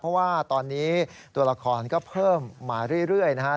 เพราะว่าตอนนี้ตัวละครก็เพิ่มมาเรื่อยนะครับ